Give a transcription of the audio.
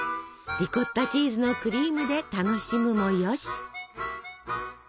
リコッタチーズのクリームで楽しむもよし！